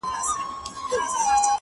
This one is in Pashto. مه نیسه چېغو ته کاڼه غوږونه،